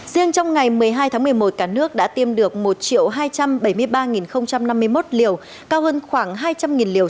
riêng trong ngày một mươi hai tháng một mươi một cả nước đã tiêm được một hai trăm bảy mươi ba năm mươi một liều cao hơn khoảng hai trăm linh liều